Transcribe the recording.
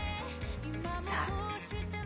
さあ。